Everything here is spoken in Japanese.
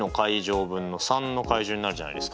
分の３！になるじゃないですか。